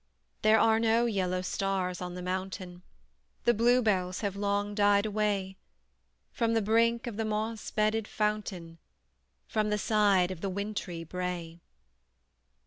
There are no yellow stars on the mountain The bluebells have long died away From the brink of the moss bedded fountain From the side of the wintry brae.